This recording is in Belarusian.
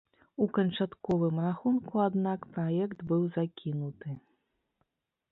У канчатковым рахунку, аднак, праект быў закінуты.